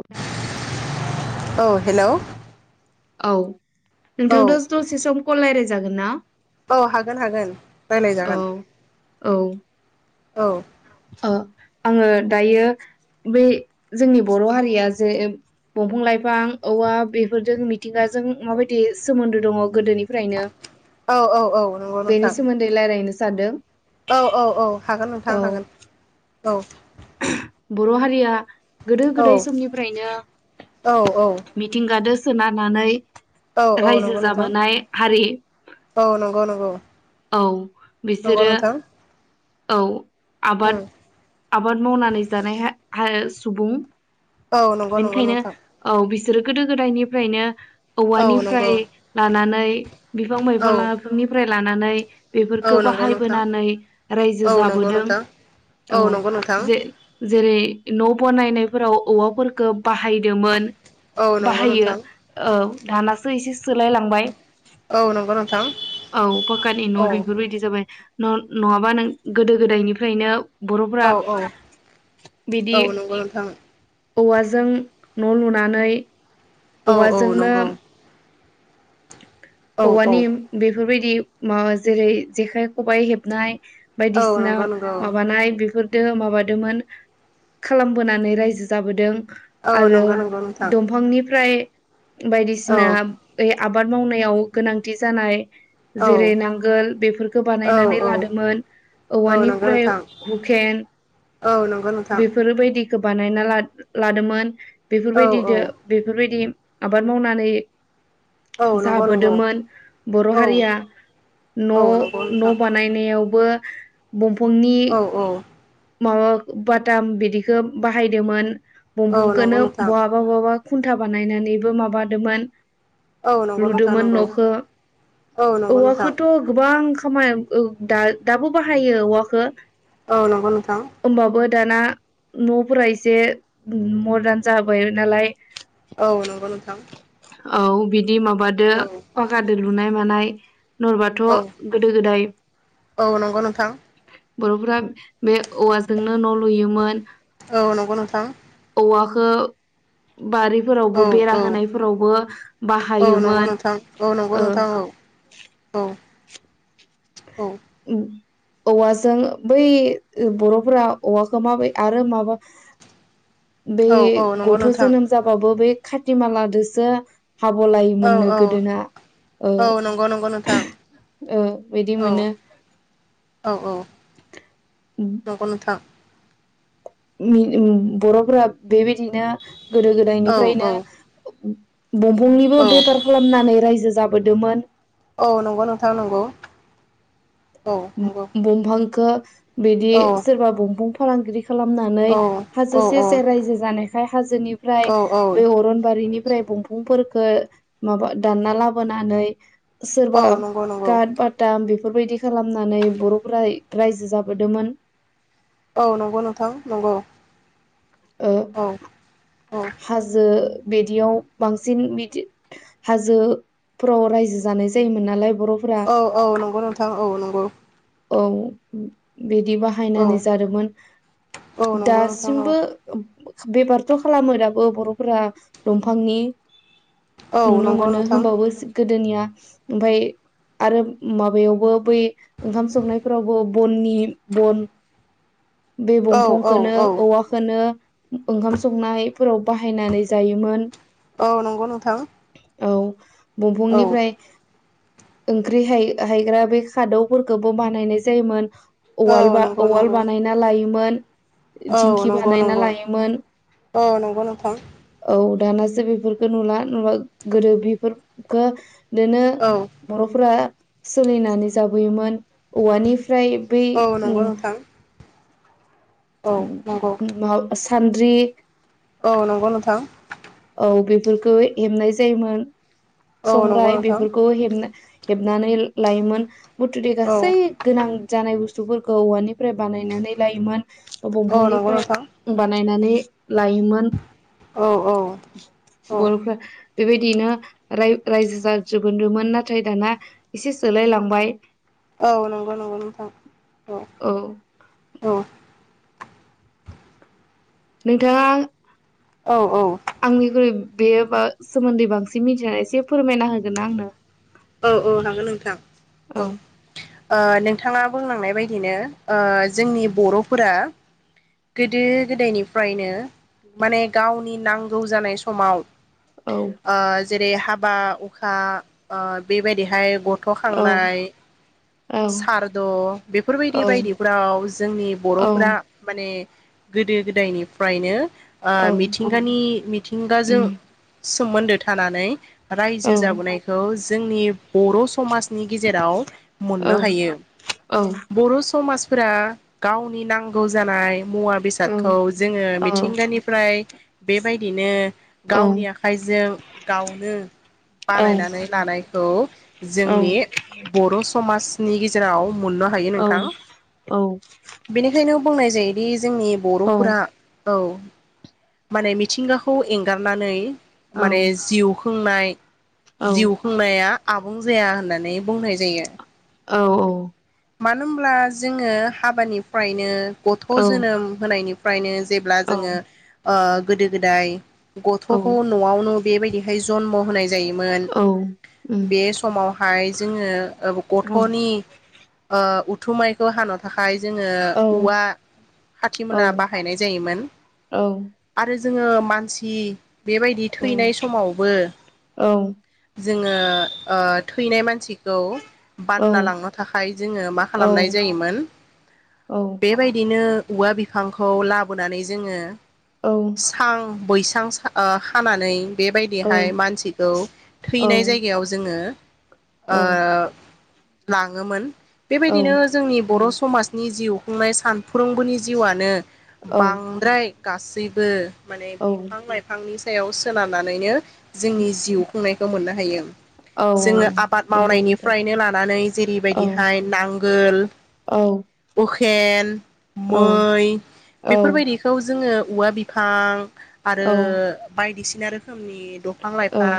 Hello. औ hello. औ औ नोंथां दा दसे सम कल रायलाय जागोन ना? औ हागोन हागोन रायलाय औ जागोन, औ औ। ओ आङो दायो बे जोंनि बर' हारिया जे बंफां लाइफां औवा बेफोरजों मिथिंगाजों जों माबायदि सोमोन्दो दङ गोदोनिफ्रायनो औ औ औ नंगौ नोंथां बेनि सोमोन्दै रायलायनो सानदों। औ औ औ हागोन नोंथां औ हागोन, औ। बर' हारिया गोदो औ गोदाय समनिफ्रायनो औ मिथिंगादो सोनारनानै औ औ नंगौ रायजो नोंथां जाबोनाय हारि। औ नंगौ नंगौ औ नंगौ बिसोरो नोंथां औ उम आबाद आबाद मावनानै जानाय हा हा सुबुं। औ नंगौ नंगौ बेनिखायनो नोंथां औ बि बिसोर गोदो गोदायनिफ्रायनो औ नंगौ औवानिफ्राय लानानै बिफां औ बायफंलानिफ्राय लानानै औ बेफोरखौ नंगौ नोंथां बाहायबोनानै रायजो औ नंगौ जाबोदों। नोंथां औ नंगौ नोंथां जे-जेरै न बानायनायफोराव औवाफोरखो बाहायदोमोन औ नंगौ बाहायो नोंथां औ दानासो एसे सोलाय लांबाय औ नंगौ नोंथां पाकानि औ न' बेफोरबायदि जाबाय न'-नङाबा नों गोदो गोदायनिफ्रायनो बर'फ्रा औ बिदि औ नंगौ नोंथां औवाजों न' लुनानै औ औ औवाजोंनो नंगौ औ औवानि बेफोरबायदि मा जेरै जेखाइ खबाइ हेबनाय औ बायदिसिना नंगौ नंगौ माबानाय बेफोर दो माबादोमोन खालामबोनानै रायजो जाबोदों औ आरो नंगौ नंगौ नोंथां दंफांनिफ्राय औ बायदिसिना ओ आबाद मावनायाव गोनांथि जानाय औ जेरै नांगोल बेफोरखो औ बानायनानै लादोंमोन औ नंगौ औवानिफ्राय नोंथां हुखेन [inaudible] औ नंगौ नोंथां खोबानायना ला-लादोंमोन औ औ बेफोरबायदिदो बेफोरबायदि आबाद मावनानै औ नंगौ नं दोंमोन बर' हारिया औ नंगौ नोंथां न'-न' बानायनायावबो बंफंनि औ माबा बाटाम बिदिखो बाहायदोमोन औ नंगौ बंफंखोनो नोंथां बहाबा बहाबा खुन्था बानायनानैबो माबादोमोन औ नंगौ नोंथां लुदोमोन नंगौ न'खो औ नंगौ नोंथां औवाखोथ' गोबां खामायाव ओ दा-दाबो बाहायो औवाखो औ नंगौ नोंथां दाना न'फोरा इसे मदार्न जाबाय नालाय औ नंगौ नोंथां औ बिदि माबादो औ पाकादोख लुनाय मानाय नलबाथ' औ गोदो गोदाय औ नंगौ नोंथां बर'फोरा बे औवाजोंनो न' लुयोमोन औ नंगौ नोंथां अवाखो औ बारिफोरावबो बेरा औ होनायफोरावबो औ नंगौ बाहायोमोन। नोंथां औ नंगौ नोंथां औ औ उम औवाजों बै बर'फोरा औवाखो माबाय आरो माबा बे औ औ नंगौ गथ' नोंथां जोनोम जाबाबो बै खातिमालादोसो औ हाब'लायोमोननो औ गोदोना ओ औ नंगौ नंगौ नोंथां ओ बिदि औ मोनो औ औ नंगौ नोंथां [unintelligible] बर'फोरा बेबायदिनो गोदो औ गोदायनिफ्रायनो औ बंफंनिबो औ बेफार खालामनानै रायजो जाबोदोमोन औ नंगौ नोंथां नंगौ औ नंगौ बंफांखौ बिदि औ सोरबा बंफं फालांगिरि खालामनानै औ औ हाजो सेर-सेर रायजो जानायखाय हाजोनिफ्राय औ औ बे अरनबारिनि फ्राय बंफंफोरफोरखो माबा दानना लाबोनानै सोरबा औ नंगौ नंगौ कात बाटाम बेफोरबायदि खालामनानै बर'फोरा रायजो जाबोदोमोन औ नंगौ नोंथां नंगौ ओ औ औ हाजो बिदियाव बांसिन बिदि हाजोफ्राव रायजो जानाय जायोमोन नालाय बर'फोरा औ औ नंगौ नोंथां औ नंगौ औ बिदि औ बाहायनानै जादोंमोन औ नंगौ नोंथां औ दासिमबो बेफारथ' खालामो दाबो बर'फोरा दंफांनि औ नुनो नंगौ मोनो नोंथां होमबाबो गोदोनिया ओमफाय आरो माबायावबो बै ओंखाम संनायफोरावबो बननि बन बे औ औ बंफंखौनो औ औवाखौनो ओंखाम संनायफोराव बाहायनानै जायोमोन औ नंगौ नोंथां औ औ दंफंनिफ्राय ओंख्रि हाय-हायग्रा बे खादौफोरखौबो बानायनाय जायोमोन उवाल औ बा नंगौ उवाल नंगौ बानायना लायोमोन औ दिंखि नंगौ बानायना नंगौ लायोमोन औ नंगौ नोंथां औ दानासो बेफोरखौ नुला नुवा गोदो बेफोरखौ बिदिनो औ बर'फोरा सोलिनानै जाबोयोमोन औवानि फ्राय बै औ नंगौ नोंथां औ नंगौ मुवा सानद्रि औ नंगौ नोंथां औ बेफोरखौ हेबनाय जायोमोन औ नंगौ संग्राय नोंथां बेफोरखौ हेबनाय हेबनानै लायोमोन मुथुथे औ गासै गोनां जानाय बुस्थुफोरखौ औवानिफ्राय बानायनानै लायोमोन औ नंगौ दंफांनिफ्राय नोंथां बानाय नानै लायोमोन औ औ औ बर'फोरा बेबायदियैनो राय-रायजो जाजोबगोनदोंमोन नाथाय दाना एसे सोलाय लांबाय औ नंगौ नंगौ नोंथां औ औ नोंथाङा औ आंनिख्रुइ बे बा सोमोन्दै बांसिन मिथिनानै एसे फोरमायना होगोन ना आंनो औ औ हागोन नोंथां औ ओ नोंथाङा बुंलांनाय बायदिनो ओ जोंनि बर'फोरा गोदो गोदायनिफ्रायनो माने गावनि नांगौ जानाय समाव औ ओ जेरै हाबा उखा ओ बेबायदिहाय गथ थ' औ खांनाय औ सारद' बेफोरबायदि बायदिफोराव जोंनि औ बर'फोरा माने गोदो गोदायनिफ्रायनो ओ औ मिथिंगानि मिथिंगाजों उम सोमोन्दो थानानै औ रायजो जाबोनायखौ जोंनि बर' समाजनि गेजेराव औ मोननो हायो औ बर' समाज फोरा गावनि नांगौ जानाय मुवा औ बेसादखौ जोङो औ मिथिंगानिफ्राय बेबायदिनो औ गावनि आखाइ जों गावनो बानायनानै लानाय खौ औ जोंनि बर' समाजनि गेजेराव मोननो हायो नोंथां औ बेनिखायनो बुंनाय जायो बे जोंनि औ बर'फोरा औ माने मिथिंगाखौ एंगारनानै माने जिउ खुंनाय औ या आबुं जाया होननानै बुंनाय जायो औ औ मानो होमब्ला जोङो हाबानिफ्रायनो गथ' औ जोनोम होनायनिफ्रायनो जेब्ला जोङो ओ गोदो गोदाय गथ'खौ उम न'आवनो बेबायदिहाय जन्म' होनाय जोयोमोन बे समावहाय जोङो औ गथ'नि उथुमैइखौ हानो थाखाय जोङो औवा औ हाथिमला बाहायनाय जायोमोन औ आरो जोङो मानसि बेबायदि औ थैनाय समावबो जोङो ओ थैनाय मानसिखौ बानना लांनो थाखाय जोङो मा खालामनाय जायोमोन बेबायदिनो औवा बिफांखौ लाबोनानै जोङो सां बैसां सा ओ खानानै बेबायदिहाय मानसिखौ थैनाय जायगायाव जोङो ओ लाङोमोन बेबायदिनो जोंनि बर' समाजनि जिउ खुंनाय सानफ्रोमबोनि जिउआनो बांद्राय गासैबो माने बिफां लाइफांनि सायाव सोनारनानैनो जोंनि जिउ खुंनाय खौ मोननो हायो। जोङो आबाद नंगौ नोंथां मावनायनिफ्रायनो लानानै औ जेरैबायदि [unintelligible] नांगोल औ उखेन औ मै औ बेफोरबायदिखौ जोङो औवा बिफां आरो बायदिसिना रोखोम रोखोमनि दंफां लाइफां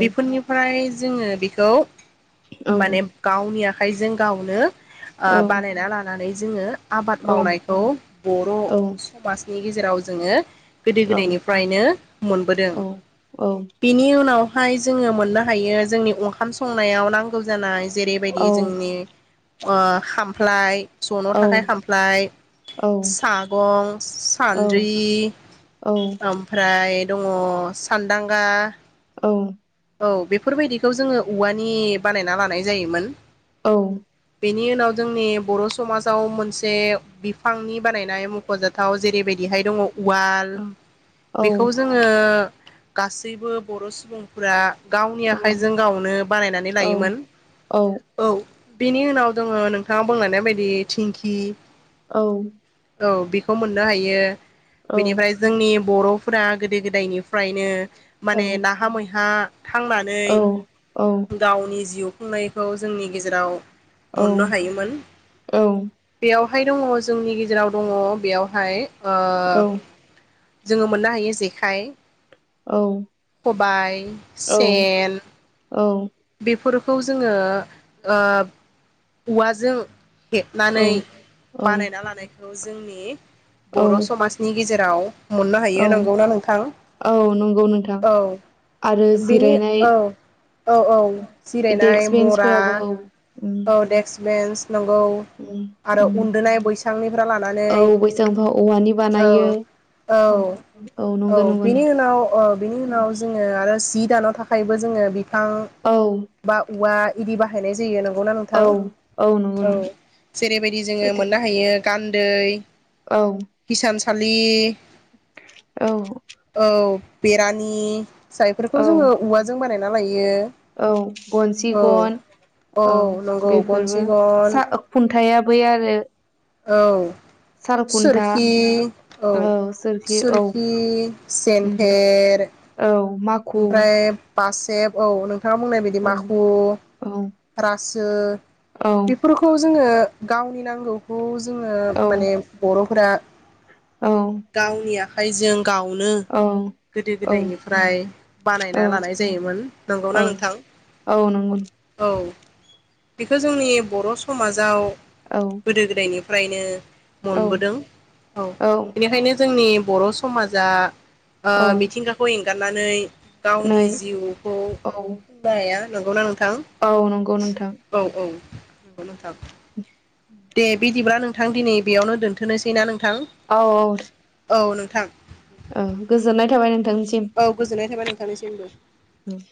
बेफोरनिफ्राय जोङो बेखौ औ माने गावनि आखाइजों गावनो औ ओ औ बानायना लानानै जोङो आबाद औ मावनायखौ बर औ समाजनि गेजेराव जोङो गोदो औ गोदायनिफ्रायनो मोनबोदों बिनि उनाव हाय जोङो मोननो हायो जोंनि ओंखाम संनायाव नांगौ जानाय जेरै जोंनि खामफ्लाय जनो थाखाय खामफ्लाय सागं सान्द्रि ओमफ्राय दङ सानदांगा औ बेफोरबायदिखौ जोङो औवानि बानायना लानाय जायोमोन। औ बेनि उनाव जोंनि बर समाजाव मोनसे बिफांनि बानायनाय मखजाथाव जेरैबायदिहाय दङ। उवाल बेखौ जोङो गासैबो बर सुबुंफोरा गावनि आखाइजों गावनो बानायनानै लायोमोन औ बेनि उनाव दोङ नोंथाङा बुंलांनाय बायदि थिंखि औ।। औ बेखौ मोननो हायो बेनिफ्राय जोंनि बरफोरा गोदो गोदायनिफ्रायनो माने नाहा मैहा थांनानै गावनि जिउ खुंनायखौ जोंनि गेजेराव मोननो हायोमोन। बेयाव हाय दङ जोंनि गेजेराव दङ बेयावहाय ओ औ जोङो मोननो हायो जेखाइ औ खबाय औ सेन बेफोरखौ जोङो ओ औवाजों औ हेबनानै औ बानायना लानायखौ जोंनि औ बर' समाजनि गेजेराव मोननो औ हायो नंगौना नोंथां' औ नंगौ नोंथां आरो औ बेनि जिरायनाय औ औ औ जिरायनाय देक्स मरा बेन्सफोराबो औ उम औ डेक्स बेन्स नंगौ। उम आरो उम उन्दुनाय बैसांनिफ्राय लानानै औ बैसांफा औवानि औ बानायो औ औ औ नंगौ नंगौ बिनि उनाव औ बिनि नोंथां उनाव जोङो आरो जि दानो थाखायबो जोङो बिफां औ बा औवा इदि बाहायनाय जायो न नंगौना नोंथां औ नंगौ औ नोंथां जेरैबायदि जोङो सैथो मोननो हायो गान्दै औ। खालि औ। बेरानि फिसायफोरखौ औ जोङो औवाजों बानायना लायो। औ गनसि गन औ नंगौ गनसि बेफोरबो गन सा ओ खुन थाया बै आरो औ। साल खुन्था सुरखि औ सोरखि औ सुरखि, उम जेन्थेर, औ मा ओमफ्राय बासेब औ नों नोंथाङा बुंनाय बायदि औ माखु, औ रासो औ बेफोरखौ जोङो गावनि नांगौखौ जोङो माने बर'फोरा औ गावनि आखाइजों गावनो गोदो औ गोदायनिफ्राय औ बानायना लानाय जायोमोन। नंगौना औ नोंथां? औ नंगौ औ औ बेखो जोंनि बर' समाजाव औ गोदो गोदायनिफ्रायनो औ मोनबोदों। औ बेनिखायनो जोंनि बर' समाजा ओ औ मिथिंगाखौ एंगारनानै गावनि नै जिउखौ औ खुंनो हाया। नंगौना नोंथां औ नंगौ नोंथां। औ औ नंगौ नथां। दे बिदिब्ला नोंथां दिनै बेयावनो दोन्थ'नोसै ना नों थां? औ औ औ नोंथां। औ गोजोननाय थाबाय नों औ गोजोननाय थाबाय नोंथांनिसिमबो। उम।